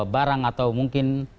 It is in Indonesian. barang atau mungkin